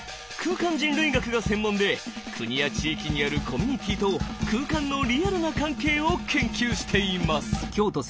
空間人類学が専門で国や地域にあるコミュニティーと空間のリアルな関係を研究しています。